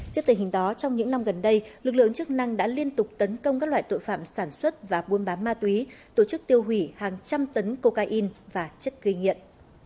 trước tình hình đó trong những năm gần đây lực lượng chức năng đã liên tục tấn công các loại tội phạm sản xuất và buôn bán ma túy tổ chức tiêu hủy hàng trăm tấn cocaine và chất gây nghiện